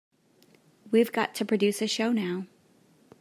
We've got to produce a show now.